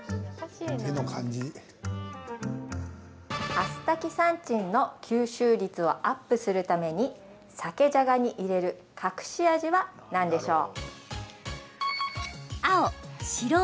アスタキサンチンの吸収率をアップするためにサケじゃがに入れる隠し味は何でしょう？